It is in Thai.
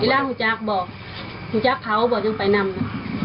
อิระภูเจ้าก็บ่ภูเจ้าเผ่าบ่ยนต์ไปนำ